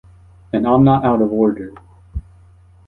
And I'm not out of order!